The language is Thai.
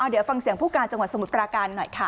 เดี๋ยวฟังเสียงผู้การจังหวัดสมุทรปราการหน่อยค่ะ